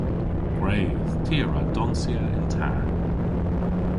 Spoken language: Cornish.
Gwredh! Ty a wra donsya yn ta!